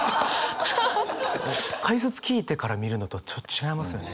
解説聞いてから見るのとちょっと違いますね。